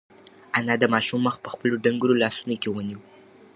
انا د ماشوم مخ په خپلو ډنگرو لاسونو کې ونیو.